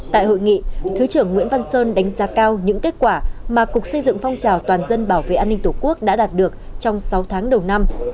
tại hội nghị thứ trưởng nguyễn văn sơn đánh giá cao những kết quả mà cục xây dựng phong trào toàn dân bảo vệ an ninh tổ quốc đã đạt được trong sáu tháng đầu năm